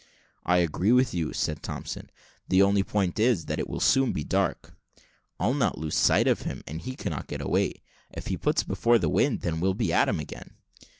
"I agree with you," said Thompson; "the only point is, that it will soon be dark." "I'll not lose sight of him, and he cannot get away. If he puts before the wind, then we'll be at him again."